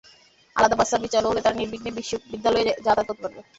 আলাদা bus service চালু হলে তারা নির্বিঘ্নে বিদ্যালয়ে যাতায়াত করতে পারবে।